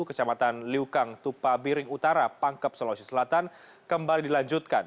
kecamatan liukang tupabiring utara pangkep sulawesi selatan kembali dilanjutkan